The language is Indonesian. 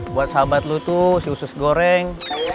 buat sahabat lu tuh si usus goreng